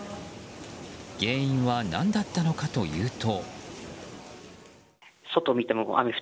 原因は何だったのかというと。